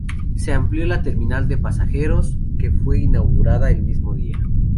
Se amplió la terminal de pasajeros, que fue inaugurada el mismo día.